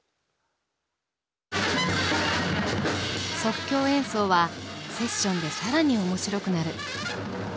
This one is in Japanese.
即興演奏はセッションで更に面白くなる。